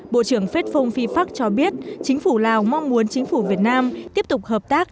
bộ trưởng phết phông phi pháp cho biết chính phủ lào mong muốn chính phủ việt nam tiếp tục hợp tác